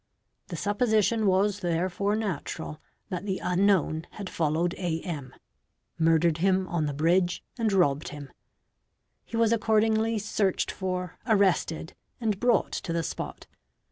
The supposition was therefore natural that the unknown had followed A.M., murdered him on the bridge, and robbed him; he was accordingly searched — for, arrested, and brought to the spot.